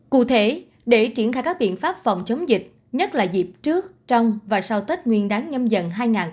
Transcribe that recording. cụ thể để triển khai các biện pháp phòng chống dịch nhất là dịp trước trong và sau tết nguyên đáng nhâm dần hai nghìn hai mươi bốn